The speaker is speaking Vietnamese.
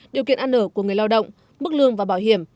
điều kiện ăn ở của người lao động mức lương và bảo hiểm